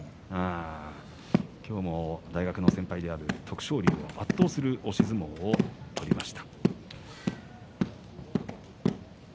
今日は大学の先輩である徳勝龍を圧倒的な押し相撲で破りました。